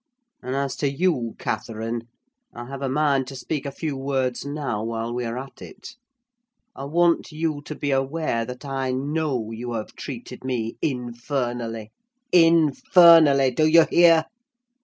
And as to you, Catherine, I have a mind to speak a few words now, while we are at it. I want you to be aware that I know you have treated me infernally—infernally! Do you hear?